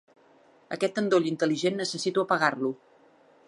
Aquest endoll intel·ligent necessito apagar-lo.